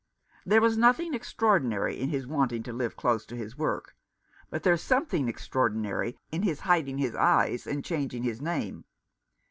There was nothing extraordinary in his wanting to live close to his work, but there's something extraordinary in his hiding his eyes, and changing his name.